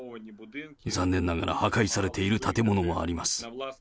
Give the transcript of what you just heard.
残念ながら破壊されている建物もあります。